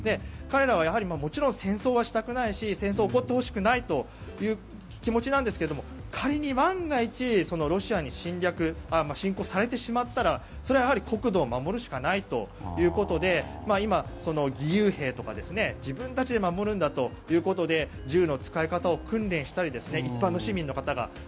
彼らはもちろん戦争はしたくないし戦争が起こってほしくないという気持ちなんですけど仮に万が一ロシアに侵攻されてしまったらそれは国土を守るしかないということで今、義勇兵とか自分たちで守るんだということで銃の使い方を訓練したり一般の市民の方が。